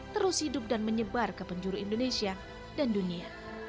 terus hidup dan menyebar ke penjuru indonesia dan dunia